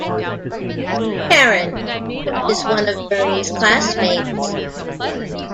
Karen: is one of Bernie's classmates.